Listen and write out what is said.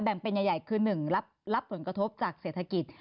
แบ่งเป็นใหญ่คือ๑รับผลกระทบจากเศรษฐกิจ